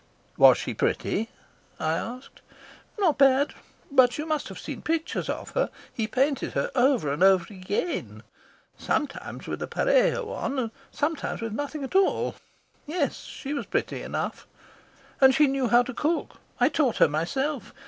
"Was she pretty?" I asked. "Not bad. But you must have seen pictures of her. He painted her over and over again, sometimes with a on and sometimes with nothing at all. Yes, she was pretty enough. And she knew how to cook. I taught her myself.